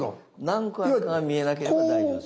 何個あるかが見えなければ大丈夫。